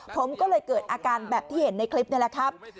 ผมก็เลยเกิดอาการแบบที่เห็นในคลิปนี่แหละครับ